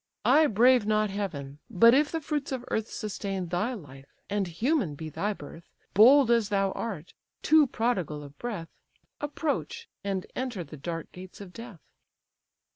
I brave not heaven: but if the fruits of earth Sustain thy life, and human be thy birth, Bold as thou art, too prodigal of breath, Approach, and enter the dark gates of death."